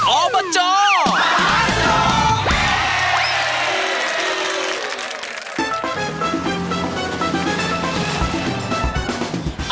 ออบจมหาสนุก